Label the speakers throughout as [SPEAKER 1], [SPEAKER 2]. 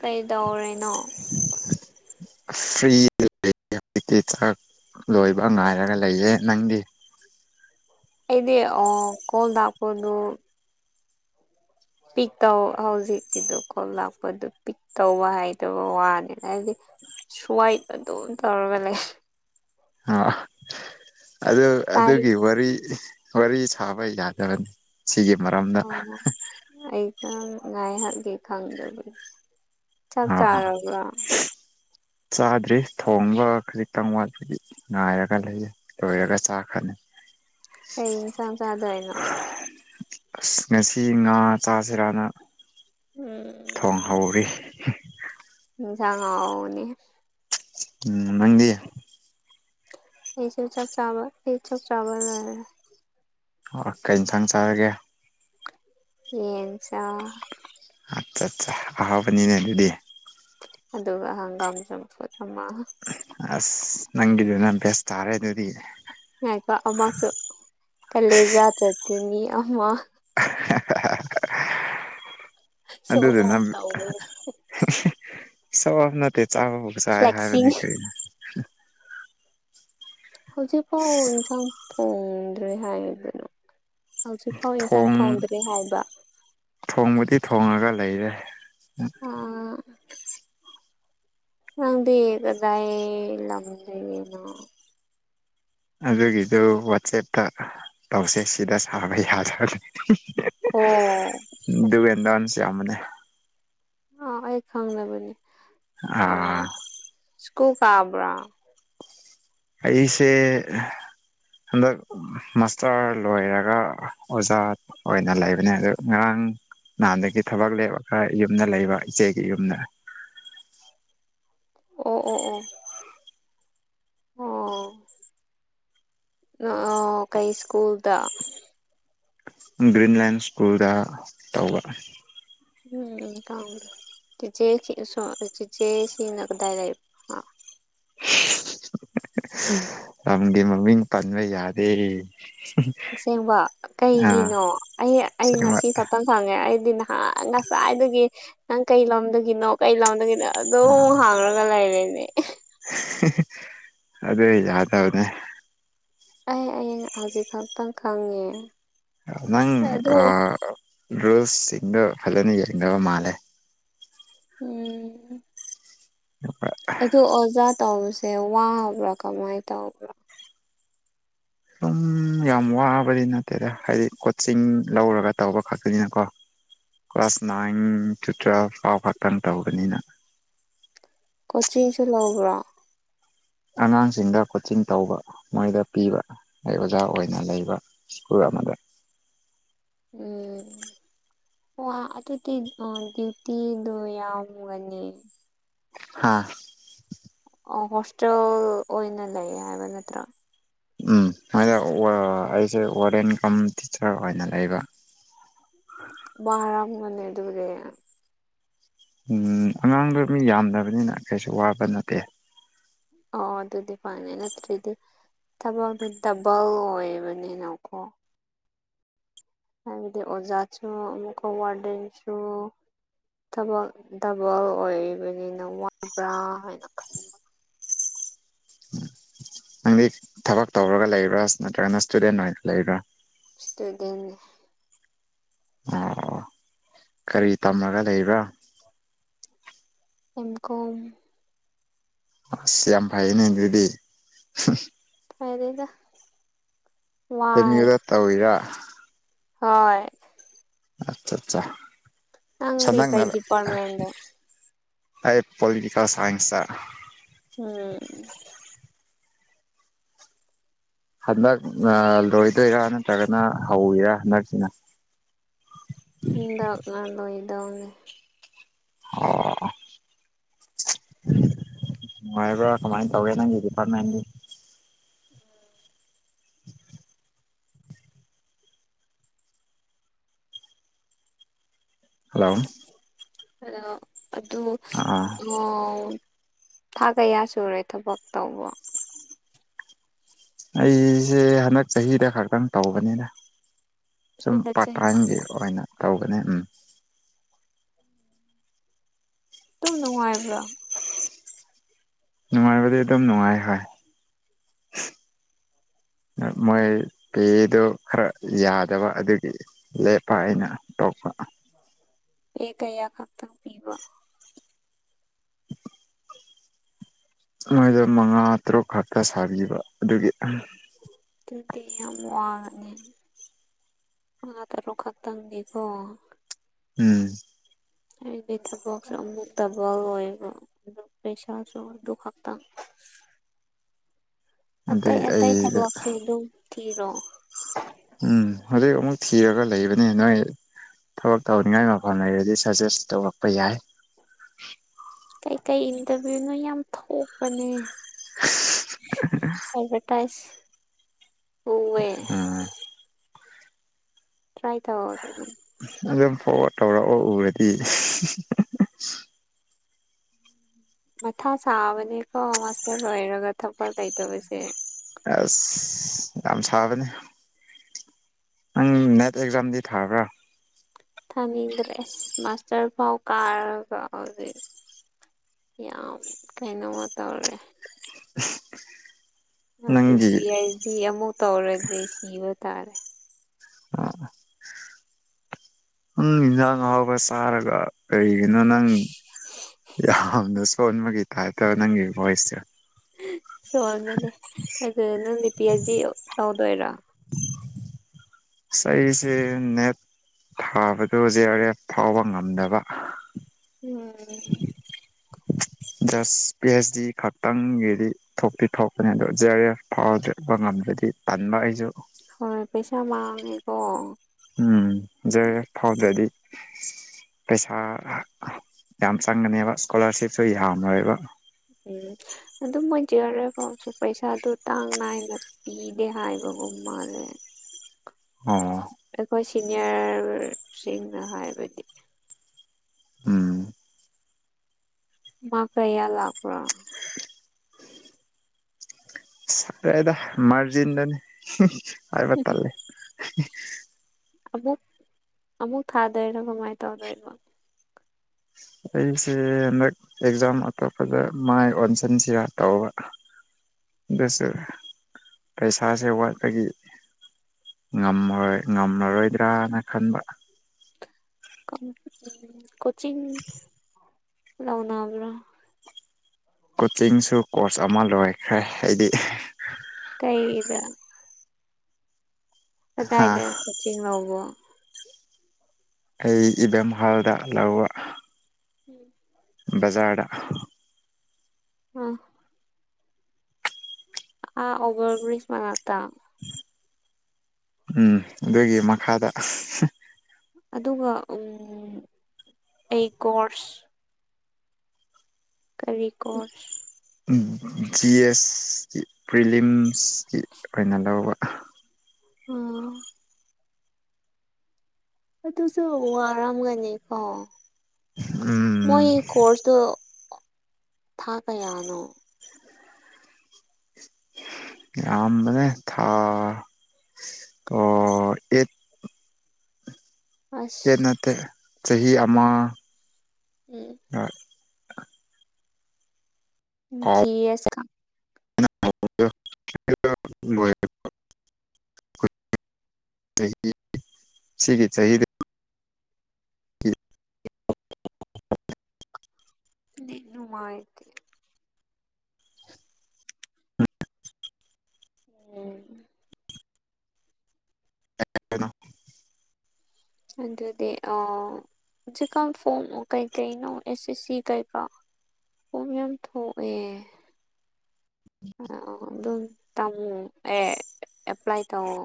[SPEAKER 1] ꯀꯩꯗꯧꯔꯤꯅꯣ
[SPEAKER 2] ꯐ꯭ꯔꯤ ꯂꯩ ꯍꯧꯖꯤꯛꯇꯤ ꯇ꯭ꯔꯛ ꯂꯣꯏꯕ ꯉꯥꯏꯔꯒ ꯂꯩꯌꯦꯦ ꯅꯪꯗꯤ
[SPEAKER 1] ꯑꯩꯗꯤꯦ ꯑ ꯀꯣꯜꯗꯥꯛꯄꯗꯨ ꯄꯤꯛ ꯇꯧ ꯍꯧꯖꯤꯛꯀꯤꯗ ꯀꯣ ꯂꯥꯛꯄꯗꯨ ꯄꯤꯛ ꯇꯧꯕ ꯍꯥꯏꯗꯕ ꯋꯥꯅꯤ ꯍꯥꯏꯕꯗꯤ ꯁꯋꯥꯏꯠ ꯑꯗꯨꯣ ꯇꯧꯔꯃꯦꯂ
[SPEAKER 2] ꯑ ꯑꯗꯨ
[SPEAKER 1] ꯇꯥꯏ
[SPEAKER 2] ꯑꯗꯨꯒꯤ ꯋꯥꯔꯤ ꯋꯥꯔꯤ ꯁꯥꯕ ꯌꯥꯗꯕꯅꯤ ꯁꯤꯒꯤ ꯃꯔꯝꯗ
[SPEAKER 1] ꯅꯪ ꯉꯥꯏꯍꯠꯒꯦ ꯈꯪꯗꯕꯒꯤ ꯆꯥꯛ
[SPEAKER 2] ꯑꯥ
[SPEAKER 1] ꯆꯥꯔꯕ꯭ꯔꯥ
[SPEAKER 2] ꯆꯥꯗ꯭ꯔꯤ ꯊꯣꯡꯕ ꯈꯖꯤꯛꯇꯪ ꯋꯥꯠꯄꯗꯤ ꯉꯥꯏꯔꯒ ꯂꯩꯌꯦ ꯂꯣꯏꯔꯒ ꯆꯥꯈ꯭ꯔꯅꯤ [inaudible]
[SPEAKER 1] ꯀꯩ ꯆꯥꯡ ꯆꯗ ꯍꯥꯏꯅꯣ
[SPEAKER 2] ꯑꯁ ꯉꯁꯤ ꯉꯥ ꯆꯥꯁꯤꯔꯥꯅ
[SPEAKER 1] ꯎꯝ
[SPEAKER 2] ꯊꯣꯡꯍꯧꯔꯤ
[SPEAKER 1] ꯖꯪ ꯑꯅꯤ
[SPEAKER 2] ꯎꯝ ꯃꯪꯗꯤ
[SPEAKER 1] ꯑꯩ ꯆ ꯆꯞ ꯆꯥꯜ ꯆꯞ ꯆꯥꯕꯜꯔ
[SPEAKER 2] ꯑꯣ ꯀ ꯏꯟꯁꯥꯡ ꯆꯥꯔꯒꯦ
[SPEAKER 1] ꯌꯦꯆꯥ
[SPEAKER 2] ꯑꯠ ꯑꯠꯆꯥ ꯐꯕꯅꯤꯅꯦ ꯑꯗꯨꯗꯤ
[SPEAKER 1] ꯑꯗꯨꯒ ꯍꯪꯒꯥꯝ ꯆꯝꯐꯨ ꯆꯝꯃ
[SPEAKER 2] ꯑꯁ ꯅꯪꯒꯤꯗꯨꯅ ꯕꯦꯁ ꯇꯥꯔꯦ ꯑꯗꯨꯗꯤ
[SPEAKER 1] ꯌꯥꯀꯣ ꯑꯃꯁꯨ ꯀꯂꯦꯖꯥ ꯆꯠꯇꯅꯤ ꯑꯃ ꯁꯣ
[SPEAKER 2] ꯑꯗꯨꯗ ꯑꯗꯨ ꯅ
[SPEAKER 1] ꯑꯣꯐ ꯇꯧꯋꯦ
[SPEAKER 2] ꯁꯕ ꯅꯠꯇꯦ ꯆꯥꯕꯕꯨꯥꯎ ꯆꯥꯏ
[SPEAKER 1] ꯐ꯭ꯂꯦꯛꯁꯤꯡ
[SPEAKER 2] ꯍꯥꯏꯕꯅꯤ ꯀꯅꯣ
[SPEAKER 1] ꯍꯧꯖꯤꯛꯐꯥꯎ ꯌꯦꯟꯁꯥꯡ ꯐꯣꯡꯗ꯭ꯔꯦ ꯍꯥꯏꯗꯅ ꯍꯧꯖꯤꯛꯐꯥꯎ ꯏꯟꯁꯥꯡ
[SPEAKER 2] ꯊꯣꯡ
[SPEAKER 1] ꯊꯣꯡꯗ꯭ꯔꯦ ꯍꯥꯏꯕ
[SPEAKER 2] ꯎꯝ
[SPEAKER 1] ꯑꯥ ꯅꯪꯗꯤ ꯀꯗꯥꯏ ꯂꯝꯗ ꯌꯦꯩꯅꯣ
[SPEAKER 2] ꯑꯗꯨꯒꯤꯗꯨ ꯋꯥꯆꯦꯞꯇ ꯇꯧꯁꯦ ꯁꯤꯗ ꯁꯥꯕ ꯌꯥꯗꯕꯅꯤ
[SPEAKER 1] ꯑꯣ
[SPEAKER 2] ꯗꯨꯕꯗꯟꯁꯤ ꯌꯥꯝꯃꯅꯦ
[SPEAKER 1] ꯑ ꯑꯩ ꯈꯪꯅꯕꯅꯤ
[SPEAKER 2] ꯑꯥ
[SPEAKER 1] ꯁ꯭ꯀꯨ ꯀꯥꯕ꯭ꯔꯥ
[SPEAKER 2] ꯑꯩꯁꯦ ꯍꯟꯗꯛ ꯃꯥꯁꯇꯔ ꯂꯣꯏꯔꯒ ꯑꯣꯖꯥ ꯑꯣꯏꯅ ꯂꯩꯕꯅꯦ ꯑꯗꯨ ꯉꯔꯥꯡ ꯅꯍꯥꯟꯗꯒꯤ ꯊꯕꯛ ꯂꯦꯞꯄꯒ ꯌꯨꯝꯗ ꯂꯩꯕ ꯏꯆꯦꯒꯤ ꯌꯨꯝꯗ
[SPEAKER 1] ꯑꯣ ꯑꯣ ꯑꯣ ꯑꯣ ꯀꯩ ꯁ꯭ꯀꯨꯜꯗ
[SPEAKER 2] ꯒ꯭ꯔꯤꯟꯂꯦꯟ ꯁ꯭ꯀꯨꯜꯗ ꯇꯧꯕ
[SPEAKER 1] ꯎꯝ ꯀꯥꯎ꯭ꯔ ꯦ ꯁꯤꯅꯗꯥ ꯂꯩ
[SPEAKER 2] ꯂꯝꯝꯗꯤ ꯃꯃꯤꯡ ꯄꯟꯕ ꯌꯥꯗꯦ
[SPEAKER 1] ꯑꯁꯦꯡꯕ
[SPEAKER 2] ꯑꯥ
[SPEAKER 1] ꯀꯩꯒꯤꯅꯣ ꯑꯩ ꯑꯩ
[SPEAKER 2] ꯑꯁꯦꯡꯕ
[SPEAKER 1] ꯉꯁꯤ ꯈꯛꯇꯪ ꯈꯪꯉꯦ ꯑꯩꯗꯤ ꯅ ꯉꯁꯥꯏꯗꯒꯤ ꯅꯪ ꯀꯩ ꯂꯣꯝꯗꯒꯤꯅꯣ ꯀꯩ ꯂꯣꯝꯗꯒꯤꯅꯣ ꯑꯗꯨꯝ
[SPEAKER 2] ꯑꯥ
[SPEAKER 1] ꯍꯥꯡꯉꯒ ꯂꯩꯔꯦꯅꯦ
[SPEAKER 2] ꯑꯗꯦ ꯌꯥꯗꯎꯗꯦ
[SPEAKER 1] ꯑꯩ ꯍꯌꯡ ꯍꯧꯖꯤꯛ ꯈꯛꯇꯪ ꯈꯪꯉꯦ
[SPEAKER 2] ꯅꯪ
[SPEAKER 1] ꯑꯗꯨ
[SPEAKER 2] ꯔꯨꯜꯁꯁꯤꯡꯗꯣ ꯐꯖꯅ ꯌꯦꯡꯗꯕ ꯃꯥꯜꯂꯦ
[SPEAKER 1] ꯎꯝ
[SPEAKER 2] ꯑ
[SPEAKER 1] ꯑꯗꯨ ꯑꯣꯖꯥ ꯇꯧꯕꯁꯦ ꯋꯥꯕ꯭ꯔꯥ ꯀꯃꯥꯏ ꯇꯧꯕ꯭ꯔꯥ
[SPEAKER 2] ꯑꯗꯨꯝ ꯌꯥꯝ ꯋꯥꯕꯗꯤ ꯅꯠꯇꯦꯗ ꯍꯥꯏꯗꯤ ꯀꯣꯆꯤꯡ ꯂꯧꯔꯒ ꯇꯧꯕ ꯈꯛꯇꯅꯤꯅꯀꯣ ꯀ꯭ꯂꯥꯁ ꯅꯥꯏꯟ ꯇꯨ ꯇꯨꯋꯜꯐ ꯐꯥꯎ ꯈꯛꯇꯪ ꯇꯧꯕꯅꯤꯅ
[SPEAKER 1] ꯀꯣꯆꯤꯡꯁꯨ ꯂꯧꯕ꯭ꯔꯣ
[SPEAKER 2] ꯑꯉꯥꯡꯁꯤꯡꯗ ꯀꯣꯆꯤꯡ ꯇꯧꯕ ꯃꯣꯏꯗ ꯄꯤꯕ ꯑꯩ ꯑꯣꯖꯥ ꯑꯣꯏꯅ ꯂꯩꯕ ꯁ꯭ꯀꯨꯜ ꯑꯃꯗ [inaudible]
[SPEAKER 1] ꯎꯝ ꯑꯣ ꯑꯗꯨꯗꯤ ꯗ꯭ꯌꯨꯇꯤꯗꯨ ꯌꯥꯝꯒꯅꯤ
[SPEAKER 2] ꯍꯥꯥ
[SPEAKER 1] ꯑꯣ ꯍꯣꯁꯇꯦꯜ ꯑꯣꯏꯅ ꯂꯩ ꯍꯥꯏꯕ ꯅꯇ꯭ꯔꯣ
[SPEAKER 2] ꯎꯝ ꯃꯣꯏꯗ ꯑꯩꯁꯦ ꯋꯥꯔꯗꯦꯟ ꯀꯝ ꯇꯤꯆꯔ ꯑꯣꯏꯅ ꯂꯩꯕ
[SPEAKER 1] ꯋꯥꯔꯝꯒꯅꯤ ꯑꯗꯨꯗꯤ
[SPEAKER 2] ꯎꯝ ꯑꯉꯥꯡꯗ ꯃꯤ ꯌꯥꯝꯗꯕꯅꯤꯅ ꯀꯩꯁꯨ ꯋꯥꯕ ꯅꯠꯇꯦ
[SPEAKER 1] ꯑꯣ ꯑꯗꯨ ꯑꯗꯨꯗꯤ ꯐꯅꯦ ꯅꯠꯇ꯭ꯔꯗꯤ ꯊꯕꯛꯇꯣ ꯗꯕꯜ ꯑꯣꯏꯕꯅꯤꯅꯀꯣ ꯍꯥꯏꯗꯤ ꯑꯣꯖꯥꯁꯨ ꯑꯃꯨꯛꯀ ꯋꯥꯔꯗꯦꯟꯁꯨ ꯊꯕꯛ ꯗꯕꯜ ꯑꯣꯏꯕꯅꯤꯅ ꯋꯥꯕ꯭ꯔꯥ ꯍꯥꯏꯅ ꯈꯟꯕ
[SPEAKER 2] ꯅꯪꯗꯤ ꯊꯕꯛ ꯇꯧꯔꯒ ꯂꯩꯕ꯭ꯔꯥ ꯅꯠꯇ꯭ꯔꯒꯅ ꯏꯁꯇꯨꯗꯦꯟ ꯑꯣꯏꯅ ꯂꯩꯕ꯭ꯔꯥ
[SPEAKER 1] ꯏꯁꯇꯨꯗꯦꯟꯠꯅꯤ
[SPEAKER 2] ꯑꯣ ꯀꯔꯤ ꯇꯝꯃꯒ ꯂꯩꯕ꯭ꯔꯥ
[SPEAKER 1] ꯑꯦꯝ ꯀꯣꯝ
[SPEAKER 2] ꯑꯁ ꯌꯥꯝ ꯐꯩꯅꯦ ꯑꯗꯨꯗꯤ
[SPEAKER 1] ꯐꯗꯦꯗ
[SPEAKER 2] ꯑꯦꯝ ꯌꯨ ꯗ ꯇꯧꯔꯤꯔꯥ
[SPEAKER 1] ꯍꯣꯏ
[SPEAKER 2] ꯑꯆꯠꯆꯥ
[SPEAKER 1] ꯅꯪꯗꯤ
[SPEAKER 2] ꯁꯅꯥ
[SPEAKER 1] ꯀꯩ
[SPEAKER 2] [unintelligible]
[SPEAKER 1] ꯗꯤꯄꯥꯔꯠꯃꯦꯟꯗꯣ
[SPEAKER 2] ꯑꯩ ꯄꯣꯂꯤꯇꯤꯀꯦꯜ ꯁꯥꯏꯟꯁꯇ
[SPEAKER 1] ꯎꯝ
[SPEAKER 2] ꯍꯟꯗꯛꯅ ꯂꯣꯏꯗꯣꯏꯔꯥ ꯅꯠꯇ꯭ꯔꯒꯅ ꯍꯧꯋꯤꯔꯥ ꯍꯟꯗꯛꯁꯤꯅ
[SPEAKER 1] ꯍꯟꯗꯛꯅ ꯂꯣꯏꯗꯧꯅꯦ
[SPEAKER 2] ꯑꯣ ꯅꯨꯡꯉꯥꯏꯕ꯭ꯔ ꯀꯃꯥꯏ ꯇꯧꯒꯦ ꯅꯪꯒꯤ ꯗꯤꯄꯥ꯭ꯔꯠꯃꯦꯟꯠ ꯇꯤ ꯍꯂꯣ
[SPEAKER 1] ꯑ ꯑꯗꯨ ꯑ ꯊꯥ ꯀꯌꯥ ꯁꯨꯔꯦ ꯊꯕꯛ ꯇꯧꯕ
[SPEAKER 2] ꯑꯩꯁꯦ ꯍꯟꯗꯛ ꯆꯍꯤꯗ ꯈꯛꯇꯪ ꯇꯧꯕꯅꯤꯗ ꯁꯨꯝ
[SPEAKER 1] ꯍꯟꯗꯛ
[SPEAKER 2] ꯄꯥꯔꯠ
[SPEAKER 1] ꯆꯍꯤ
[SPEAKER 2] ꯇꯥꯏꯝꯒꯤ ꯑꯣꯥꯏꯅ ꯇꯧꯕꯅꯤ ꯎꯝ
[SPEAKER 1] ꯑꯗꯨꯝ ꯅꯨꯡꯉꯥꯏꯕ꯭ꯔꯥ
[SPEAKER 2] ꯅꯨꯡꯉꯥꯏꯕꯗꯤ ꯑꯗꯨꯝ ꯅꯨꯡꯉꯥꯏ ꯍꯣꯏ ꯃꯣꯏ ꯄꯦꯗꯨ ꯈꯔ ꯌꯥꯗꯕ ꯑꯗꯨꯒꯤ ꯂꯦꯞꯄ ꯑꯩꯅ ꯇꯣꯛꯄ [inaudible]
[SPEAKER 1] ꯄꯦ ꯀꯌꯥ ꯈꯛꯇꯪ ꯄꯤꯕ
[SPEAKER 2] [inaudible] ꯃꯣꯏꯗ ꯃꯉꯥ ꯇꯔꯨꯛ ꯈꯛꯇ ꯁꯥꯕꯤꯕ ꯑꯗꯨꯒꯤ
[SPEAKER 1] ꯑꯗꯨꯗꯤ ꯌꯥꯝ ꯋꯥꯉꯅꯤ ꯃꯉꯥ ꯇꯔꯨꯛ ꯈꯛꯇꯪ ꯒꯤꯀꯣ
[SPEAKER 2] ꯎꯝ
[SPEAKER 1] ꯍꯥꯏꯗꯤ ꯊꯕꯛꯁꯦ ꯑꯃꯨꯛꯇꯕ ꯑꯣꯏꯕ ꯑꯗꯨ ꯄꯩꯁꯥꯁꯨ ꯑꯗꯨ ꯈꯛꯇꯪ
[SPEAKER 2] [inaudible]
[SPEAKER 1] ꯑꯇꯩ
[SPEAKER 2] ꯑꯗꯨꯒꯤ
[SPEAKER 1] ꯑꯇꯩ
[SPEAKER 2] ꯑꯩꯗ
[SPEAKER 1] ꯊꯕꯣꯛꯛꯁꯨ ꯑꯗꯨꯝ ꯊꯤꯔꯣ
[SPEAKER 2] ꯎꯝ ꯍꯧꯖꯤꯛ ꯑꯃꯨꯛ ꯊꯤꯔꯒ ꯂꯩꯕꯅꯦ ꯅꯣꯏ ꯊꯕꯛ ꯇꯧꯅꯤꯡꯉꯥꯏ ꯃꯐꯝ ꯂꯩꯔꯗꯤ ꯁꯖꯦꯁ ꯇꯧꯔꯛꯄ ꯌꯥꯏ
[SPEAKER 1] ꯀꯩꯀꯩ ꯏꯟꯇꯔꯚꯤꯌꯨꯅꯣ ꯌꯥꯝ ꯊꯣꯛꯄꯅꯦ ꯑꯦꯗꯚꯔꯇꯥꯏꯖ
[SPEAKER 2] ꯎꯝ
[SPEAKER 1] ꯇ꯭ꯔꯥꯏ ꯇꯧꯑꯣ
[SPEAKER 2] ꯑꯗꯨꯝ ꯐꯣꯔꯋꯥꯗ ꯇꯧꯔꯛꯑꯣ ꯎꯔꯗꯤ
[SPEAKER 1] ꯃꯊꯥ ꯁꯥꯕꯅꯤꯀꯣ ꯃꯥꯁꯇꯔ ꯂꯣꯏꯔꯒ ꯊꯕꯛ ꯂꯩꯇꯕꯁꯦ
[SPEAKER 2] ꯑꯁ ꯌꯥꯝ ꯁꯥꯕꯅꯦ ꯅꯪ ꯅꯦꯠ ꯑꯦꯛꯖꯥꯝꯗꯤ ꯊꯥꯕꯔ
[SPEAKER 1] ꯊꯥꯅꯤꯡꯗ꯭ꯔꯦ ꯑꯁ ꯃꯥꯁꯇꯔ ꯐꯥꯎꯕ ꯀꯥꯔꯒ ꯑꯗꯩ ꯌꯥꯝ ꯀꯩꯅꯣꯃ ꯇꯧꯔꯦ ꯑꯗꯨ
[SPEAKER 2] ꯅꯪꯒꯤ
[SPEAKER 1] ꯄꯤ ꯑꯩꯁ ꯗꯤ ꯑꯃꯨꯛ ꯇꯧꯔꯗꯤ ꯁꯤꯕ ꯇꯥꯔꯦ
[SPEAKER 2] ꯑ ꯅꯪ ꯏꯟꯖꯥꯡ ꯍꯥꯎꯕ ꯆꯥꯔꯒ ꯀꯔꯤꯒꯤꯅꯣ ꯅꯪ ꯌꯥꯝꯅ ꯁꯣꯟꯕꯒꯤ ꯇꯥꯏꯞꯇ ꯅꯪ ꯕꯣꯏꯁ ꯁꯦ
[SPEAKER 1] ꯁꯣꯜꯕꯅꯦ ꯑꯗꯨ ꯅꯪꯗꯤ ꯄꯤ ꯑꯩꯆ ꯗꯤ ꯇꯧꯗꯣꯏꯔꯣ
[SPEAKER 2] ꯑꯁꯤ ꯑꯩꯁꯦ ꯅꯦꯠ ꯊꯥꯕꯗꯨ ꯖꯦ ꯑꯥꯔ ꯑꯐ ꯐꯥꯎꯕ ꯉꯝꯗꯕ
[SPEAKER 1] ꯎꯝ
[SPEAKER 2] ꯖꯁ ꯄꯤ ꯑꯩꯆ ꯗꯤ ꯈꯛꯇꯪꯒꯤꯗꯤ ꯊꯣꯛꯇꯤ ꯊꯣꯛꯄꯅꯤ ꯑꯗꯣ ꯖꯦ ꯑꯥꯔ ꯑꯦꯐ ꯐꯥꯎꯗ ꯉꯝꯗ ꯍꯥꯏꯗꯤ ꯇꯟꯕ ꯑꯩꯁꯨ
[SPEAKER 1] ꯍꯣꯏ ꯄꯩꯁꯥ ꯃꯥꯡꯉꯦꯀꯣ
[SPEAKER 2] ꯎꯝ ꯖꯦ ꯑꯥꯔ ꯑꯦꯐ ꯐꯥꯎꯗꯔꯗꯤ ꯄꯩꯁꯥ ꯌꯥꯝ ꯆꯪꯒꯅꯦꯕ ꯏꯁꯀꯣꯂꯥꯔꯁꯤꯞꯁꯨ ꯌꯥꯝꯔꯣꯏꯕ
[SPEAKER 1] ꯎꯝ ꯑꯗꯨꯝ ꯃꯣꯏ ꯆꯔꯦꯐꯥꯎꯁꯨ ꯄꯩꯁꯥꯗꯨ ꯆꯥꯡ ꯅꯥꯏꯅ ꯄꯤꯗꯦ ꯍꯥꯏꯕ ꯃꯥꯜꯂꯦ
[SPEAKER 2] ꯑꯣ
[SPEAKER 1] ꯁꯤꯅꯤꯌꯥꯔ ꯁꯤꯡꯅ ꯍꯥꯏꯕꯗꯤ
[SPEAKER 2] ꯎꯝ
[SPEAKER 1] ꯃꯥꯔꯛ ꯀꯌꯥ ꯂꯥꯛꯄꯔ
[SPEAKER 2] ꯁꯔꯦꯗ ꯃꯥꯔꯖꯟꯗꯅꯤ ꯍꯥꯏꯕ ꯇꯜꯂꯦ
[SPEAKER 1] ꯑꯃꯨꯛ ꯑꯃꯨꯛ ꯊꯥꯗꯣꯏꯔꯣ ꯀꯃꯥꯏꯅ ꯇꯧꯗꯣꯏꯅꯣ
[SPEAKER 2] ꯑꯩꯁꯦ ꯍꯟꯗꯛ ꯑꯦꯛꯖꯥꯝ ꯑꯇꯣꯞꯄꯗ ꯃꯥꯏ ꯑꯣꯟꯁꯤꯟꯁꯤꯔ ꯇꯧꯕ ꯁ ꯄꯩꯁꯥꯁꯦ ꯋꯥꯠꯄꯒꯤ ꯉꯝꯃꯔꯣꯏ ꯉꯝꯃꯔꯣꯏꯗ꯭ꯔꯥꯅ ꯈꯟꯕ
[SPEAKER 1] ꯎꯝ ꯀꯣꯆꯤꯡ ꯂꯧꯅꯕ꯭ꯔ
[SPEAKER 2] ꯀꯣꯆꯤꯡꯁꯨ ꯀꯣꯔꯁ ꯑꯃ ꯂꯣꯏꯈ꯭ꯔꯦ ꯑꯩꯗꯤ
[SPEAKER 1] ꯀꯩꯕ
[SPEAKER 2] ꯍꯥ
[SPEAKER 1] ꯀꯗꯥꯏꯗ ꯀꯣꯆꯤꯡ ꯂꯧꯕꯔꯣ
[SPEAKER 2] ꯑꯩ ꯏꯕꯦꯝꯍꯜꯗ ꯂꯧꯕ
[SPEAKER 1] ꯎꯝ
[SPEAKER 2] ꯕꯖꯥꯔꯗ
[SPEAKER 1] ꯑꯣ ꯑꯥ ꯑꯣꯕꯔꯕ꯭ꯔꯤꯖ ꯃꯅꯥꯛꯇ
[SPEAKER 2] ꯎꯝ ꯑꯗꯨꯒꯤ ꯃꯈꯥꯗ
[SPEAKER 1] ꯑꯗꯨꯒ ꯑꯩ ꯀꯣꯔꯁ ꯀꯔꯤ ꯀꯣꯔꯁ
[SPEAKER 2] ꯖꯤ ꯑꯦꯁ ꯄ꯭ꯔꯤꯂꯤꯝꯁꯀꯤ ꯑꯣꯏꯅ ꯂꯧꯕ
[SPEAKER 1] ꯎꯝ ꯑꯥꯇꯨꯁꯨ ꯋꯥꯔꯝꯒꯅꯤ ꯀꯣ
[SPEAKER 2] ꯎꯝ
[SPEAKER 1] ꯃꯣꯏ ꯀꯣꯔꯁꯇꯨ ꯊꯥ ꯀꯌꯥꯅꯣ
[SPEAKER 2] ꯌꯥꯝꯕꯅꯤ ꯊꯥ ꯑꯣ ꯑꯦꯠ ꯑꯦꯠ
[SPEAKER 1] ꯑꯁ
[SPEAKER 2] ꯅꯠꯇꯦ ꯆꯍꯤ ꯑꯃ
[SPEAKER 1] ꯎꯝ
[SPEAKER 2] ꯀꯥꯎ
[SPEAKER 1] ꯖꯤ ꯑꯁ ꯀꯥ
[SPEAKER 2] [unintelligible] ꯁꯤꯒꯤ ꯆꯍꯤꯗ [unintelligible]
[SPEAKER 1] ꯅꯦꯠ ꯅꯨꯉꯥꯏꯇꯦ ꯎꯝ ꯑꯗꯨꯗꯤ ꯑꯣ ꯃꯦ ꯀꯝ ꯐꯝꯒ ꯀꯩ ꯅ ꯑꯦꯁꯦ ꯁꯤꯒꯔꯒ ꯑꯣꯞ ꯌꯥꯝ ꯊꯣꯛꯑꯦ ꯑꯗꯨꯗ ꯇꯥꯃꯣ ꯑꯦ ꯑꯦꯄ꯭ꯂꯥꯏ ꯇꯥꯃꯣ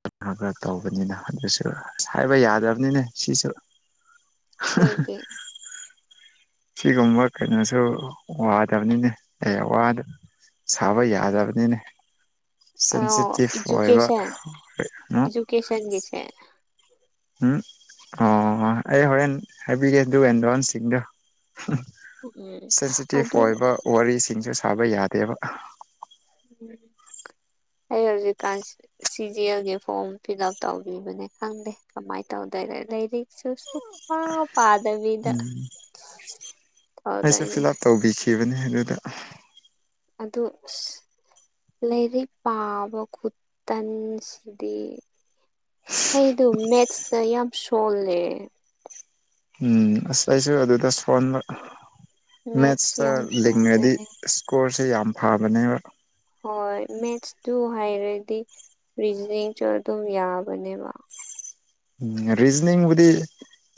[SPEAKER 2] ꯈ ꯈꯔ ꯈꯔ ꯇꯧꯕꯅꯤꯅ ꯑꯗꯨꯁꯨ ꯑꯁ ꯍꯥꯏꯕ ꯌꯥꯗ꯭ꯔꯕꯅꯤꯅꯦ ꯁꯤꯁꯨ
[SPEAKER 1] ꯀꯩꯒꯤ
[SPEAKER 2] ꯁꯤꯒꯨꯝꯕ ꯀꯩꯅꯣꯁꯨ ꯋꯥꯗꯕꯅꯤꯅꯦ ꯑꯦ ꯋꯥꯗꯕ ꯁꯥꯕ ꯌꯥꯗꯕꯅꯤꯅꯦ
[SPEAKER 1] ꯑꯣ
[SPEAKER 2] ꯁꯦꯟꯁꯤꯇꯤꯞ ꯑꯣꯏꯕ
[SPEAKER 1] ꯏꯖꯨꯀꯦꯁꯟ
[SPEAKER 2] ꯑꯃꯨ
[SPEAKER 1] ꯏꯖꯨꯀꯦꯁꯟꯒꯤꯁꯦ
[SPEAKER 2] ꯎꯝ ꯑꯣ ꯑꯩ ꯍꯣꯔꯦꯟ ꯍꯥꯏꯕꯤꯒꯦ ꯑꯗꯨꯒ ꯑꯦꯟꯗꯟꯁꯤꯡꯗꯣ
[SPEAKER 1] ꯎꯝ
[SPEAKER 2] ꯁꯦꯟꯁꯤꯇꯤꯞ
[SPEAKER 1] ꯑꯗꯨ
[SPEAKER 2] ꯑꯣꯏꯕ ꯋꯥꯔꯤꯁꯤꯡꯁꯨ ꯁꯥꯕ ꯌꯥꯗꯦꯕ
[SPEAKER 1] ꯎꯝ
[SPEAKER 2] [unintelligible]
[SPEAKER 1] ꯑꯩ ꯍꯧꯖꯤꯛꯀꯥꯟ ꯁꯤ ꯖꯤ ꯑꯦꯜꯒꯤ ꯐꯣꯔꯝ ꯐꯤꯜ ꯑꯞ ꯇꯧꯕꯤꯕꯅꯦ ꯈꯪꯗꯦ ꯀꯃꯥꯏꯅ ꯇꯧꯅꯤꯣ ꯅ ꯂꯩꯔꯁꯨ ꯁꯨ ꯄꯥꯗꯕꯤꯗ
[SPEAKER 2] ꯎꯝ
[SPEAKER 1] ꯇꯧꯗꯣꯏꯅꯦ
[SPEAKER 2] ꯀꯕꯅꯦ ꯍꯥꯏꯒꯗ
[SPEAKER 1] ꯑꯗꯨꯗ ꯂꯥꯏꯔꯤꯛ ꯄꯥꯕ ꯈꯨꯇꯟꯁꯤꯗꯤ ꯑꯩꯗꯣ ꯃꯦꯠꯁꯇ ꯌꯥꯝ ꯁꯣꯜꯂꯦ
[SPEAKER 2] ꯎꯝ ꯑꯁ ꯑꯩꯁꯨ ꯑꯗꯨꯗ ꯐꯣꯟ
[SPEAKER 1] ꯃꯦꯠꯁ
[SPEAKER 2] ꯃꯦꯠꯁꯇ
[SPEAKER 1] ꯌꯥꯝ ꯁꯣꯜꯂꯦ
[SPEAKER 2] ꯂꯤꯡꯉꯗꯤ ꯏꯁꯀꯣꯔꯁꯨ ꯌꯥꯝ ꯐꯕꯅꯦꯕ
[SPEAKER 1] ꯍꯣꯏ ꯃꯦꯠꯁꯇꯨ ꯍꯥꯏꯔꯗꯤ ꯔꯤꯖꯅꯤꯡꯁꯨ ꯑꯗꯨꯝ ꯌꯥꯕꯅꯦꯕ
[SPEAKER 2] ꯎꯝ ꯔꯤꯖꯅꯤꯡꯕꯨꯗꯤ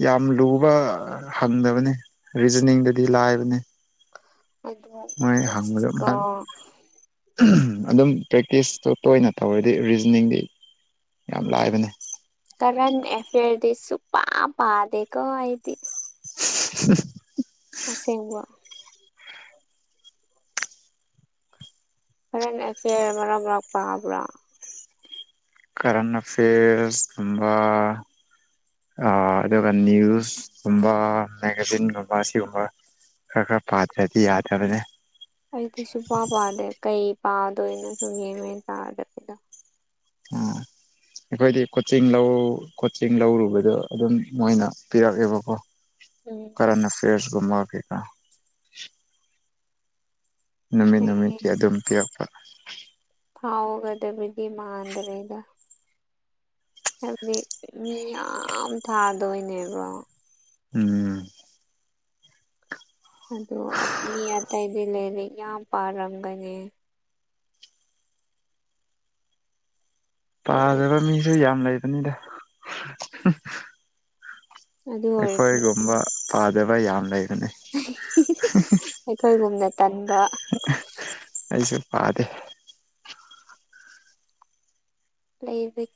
[SPEAKER 2] ꯌꯥꯝ ꯂꯨꯕ ꯍꯪꯗꯕꯅꯤ ꯔꯤꯖꯅꯤꯡꯗꯨꯗꯤ ꯑꯗꯨ ꯂꯥꯏꯕꯅꯦ
[SPEAKER 1] ꯑꯗꯨ
[SPEAKER 2] ꯃꯣꯏ ꯍꯪꯕꯗꯣ
[SPEAKER 1] ꯃꯦꯁꯤꯀꯣ
[SPEAKER 2] ꯑꯗꯨꯝ ꯄ꯭ꯔꯦꯛꯇꯤꯁꯇꯣ ꯇꯣꯏꯅ ꯇꯧꯔꯗꯤ ꯔꯤꯖꯅꯤꯡꯗꯤ ꯌꯥꯝ ꯂꯥꯏꯕꯅꯦ
[SPEAKER 1] ꯀꯔꯦꯟ ꯑꯦꯐꯤꯌꯔꯗꯤ ꯁꯨꯄꯥ ꯄꯥꯗꯦꯀꯣ ꯑꯩꯗꯤ
[SPEAKER 2] ꯎ
[SPEAKER 1] ꯑꯁꯦꯡꯕꯨ ꯐꯔ ꯐꯦ ꯃꯔ ꯂꯥꯛꯄ ꯍꯥ ꯄꯨꯔꯥ
[SPEAKER 2] ꯀꯔꯦꯟ ꯑꯐꯦꯔꯁ ꯑꯗꯨꯒꯕ ꯑ ꯑꯗꯨꯒ ꯅ꯭ꯌꯨꯁꯀꯨꯝꯕ ꯃꯦꯒꯥꯖꯤꯟꯒꯨꯝꯕ ꯁꯤꯒꯨꯝꯕ ꯀ ꯈꯔ ꯄꯥꯖꯗꯤ ꯌꯥꯗꯕꯅꯦ
[SPEAKER 1] ꯑꯩꯗꯤ ꯁꯨꯡ ꯄ ꯄꯥꯗꯦ ꯀꯩ ꯄꯥꯗꯣꯏꯅꯣ ꯁꯨꯝ ꯌꯦꯡꯉ ꯇꯥꯔꯗꯕꯤꯗꯣ
[SPEAKER 2] ꯎꯝ ꯑꯩꯈꯣꯏꯗꯤ ꯀꯣꯆꯤꯡ ꯂꯧ ꯀꯣꯆꯤꯡ ꯂꯧꯔꯨꯕꯗꯣ ꯑꯗꯨꯝ ꯃꯣꯏꯅ ꯄꯤꯔꯛꯑꯦꯕꯀꯣ
[SPEAKER 1] ꯎꯝ
[SPEAKER 2] ꯀꯔꯟ ꯑꯦꯐꯦꯌꯔꯁꯒꯨꯝꯃ ꯀꯩꯀ ꯅꯨꯃꯤꯠ
[SPEAKER 1] ꯑꯩ
[SPEAKER 2] ꯅꯨꯃꯤꯠꯀꯤ ꯑꯗꯨꯝ ꯄꯤꯌꯥꯄ
[SPEAKER 1] ꯍꯥꯎꯒꯗꯕꯗꯤ ꯃꯥꯗ꯭ꯔꯦꯒ ꯍꯥꯏꯕꯗꯤ ꯃꯤ ꯌꯥꯝ ꯊꯥꯗꯣꯏꯅꯦꯕꯣ
[SPEAKER 2] ꯎꯝ
[SPEAKER 1] ꯑꯗꯑꯣ ꯃꯤ ꯑꯇꯩꯗꯤ ꯂꯩꯔ ꯌꯥꯝ ꯄꯥꯔꯝꯒꯅꯤ
[SPEAKER 2] ꯄꯥꯖꯕ ꯃꯤꯁꯨ ꯌꯥꯝ ꯂꯩꯕꯅꯤꯗ
[SPEAKER 1] ꯑꯗꯨ ꯑꯣꯏꯔꯁꯨ
[SPEAKER 2] ꯑꯩꯈꯣꯏꯒꯨꯝꯕ ꯄꯥꯗꯕ ꯌꯥꯝ ꯂꯩ
[SPEAKER 1] ꯑꯩꯈꯣꯏꯒꯨꯝꯅ ꯇꯟꯕ
[SPEAKER 2] ꯑꯩꯁꯨ ꯄꯥꯗꯦ
[SPEAKER 1] ꯂꯩꯁꯤ